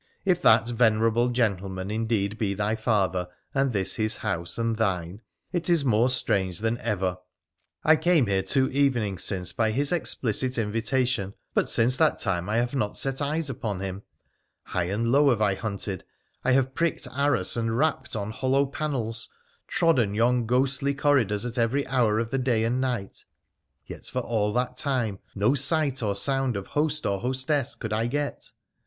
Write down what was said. If that venerable gentleman indeed be thy father, and this his house and thine, it is more strange than ever. I came here two evenings since by his explicit invitation, but since that time I have not set eyes upon him. High and low have I hunted, I have pricked arras and rapped on hollow panels, trodden yon ghostly corridors at every hour of the day and night, yet for all that time no sight or sound of host or hostess could I get.